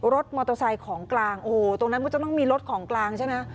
รถมอเตอร์ไซค์ของกลางโอ้โหตรงนั้นมันจะต้องมีรถของกลางใช่ไหม